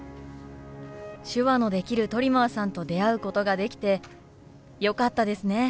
手話のできるトリマーさんと出会うことができてよかったですね。